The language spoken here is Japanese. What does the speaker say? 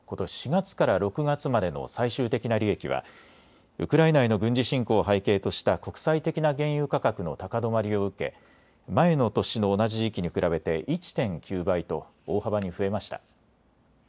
４月から６月までの最終的な利益はウクライナへの軍事侵攻を背景とした国際的な原油価格の高止まりを受け前の年の同じ時期に比べて１．９倍と大幅に増えました。